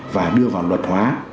và đưa vào luật hóa